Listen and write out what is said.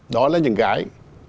đó là những cái